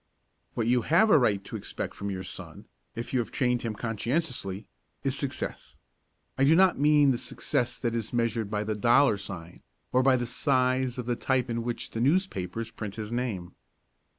What you have a right to expect from your son, if you have trained him conscientiously, is success. I do not mean the success that is measured by the dollar sign, or by the size of the type in which the newspapers print his name.